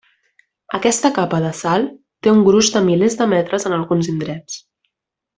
Aquesta capa de sal té un gruix de milers de metres en alguns indrets.